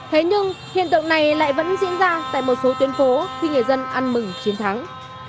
thế nhưng hiện tượng này lại vẫn diễn ra tại một số tuyến phố khi người dân ăn mừng chiến thắng